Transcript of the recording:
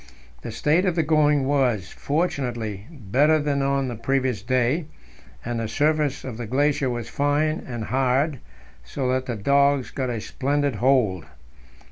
The state of the going was, fortunately, better than on the previous day, and the surface of the glacier was fine and hard, so that the dogs got a splendid hold.